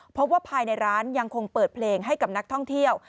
เพราะว่าภายในร้านยังคงเปิดเพลงให้กับนักท่องเที่ยว